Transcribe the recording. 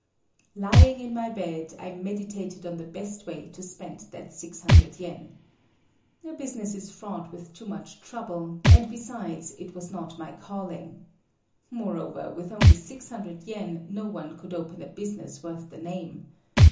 Lying in my bed, I meditated on the best way to spend that 600 yen. A business is fraught with too much trouble, and besides it was not my calling. Moreover with only 600 yen no one could open a business worth the name.